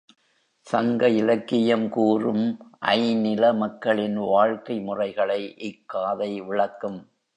சங்க இலக்கியம் கூறும் ஐந்நில மக்களின் வாழ்க்கை முறைகளை இக்காதை விளக்கும்.